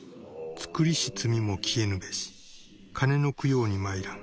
作りし罪も消えぬべし鐘の供養に参らん